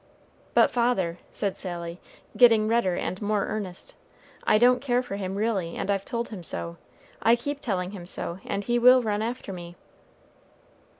"But, father," said Sally, getting redder and more earnest, "I don't care for him really, and I've told him so. I keep telling him so, and he will run after me."